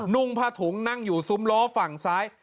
นุ่งผ้าถุงนั่งอยู่ซุ้มล้อฝั่งซ้าย